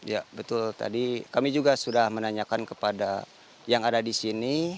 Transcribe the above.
ya betul tadi kami juga sudah menanyakan kepada yang ada di sini